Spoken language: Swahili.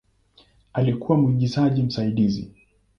Alikuwa mwigizaji msaidizi.